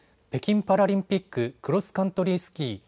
北京パラリンピッククロスカントリースキー